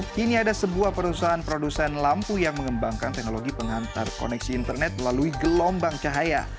kini ada sebuah perusahaan produsen lampu yang mengembangkan teknologi pengantar koneksi internet melalui gelombang cahaya